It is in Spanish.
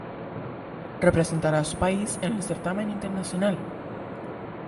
Representara a su país en el certamen internacional.